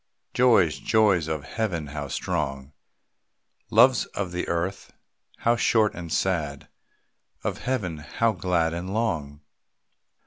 Joys, joys of Heaven how strong! Loves of the earth, how short and sad, Of Heaven how glad and long!